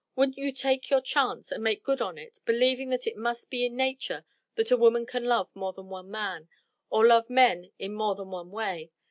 Wouldn't you take your chance and make good on it, believing that it must be in nature that a woman can love more than one man, or love men in more than one way?